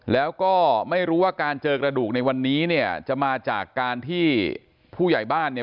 แล้วก็ไม่รู้ว่าการเจอกระดูกในวันนี้เนี่ยจะมาจากการที่ผู้ใหญ่บ้านเนี่ย